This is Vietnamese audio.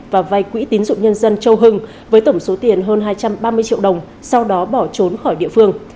và vay quỹ tín dụng nhân dân châu hưng với tổng số tiền hơn hai trăm ba mươi triệu đồng sau đó bỏ trốn khỏi địa phương